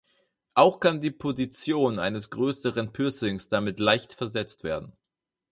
Auch kann die Position eines größeren Piercings damit leicht versetzt werden.